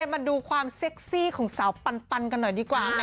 มาดูความเซ็กซี่ของสาวปันกันหน่อยดีกว่า